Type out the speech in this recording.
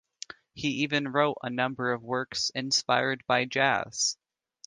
He even wrote a number of works inspired by jazz.